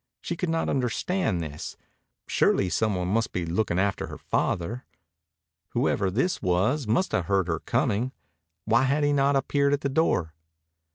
She could not understand this. Surely someone must be looking after her father. Whoever this was must have heard her coming. Why had he not appeared at the door?